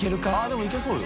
でもいけそうよ。